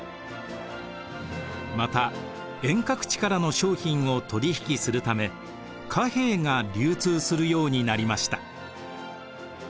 また遠隔地からの商品を取り引きするため貨幣が流通するようになりました。